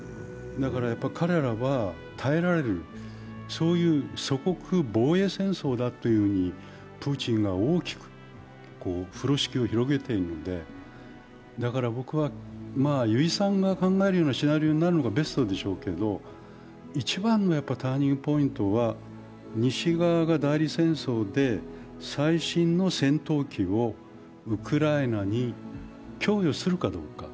彼らは耐えられる、そういう祖国防衛戦争だというふうにプーチンが大きく風呂敷を広げているので、だから僕は油井さんが考えるようなシナリオになるのがベストですけど一番のターニングポイントは西側が代理戦争で最新の戦闘機をウクライナに供与するかどうか。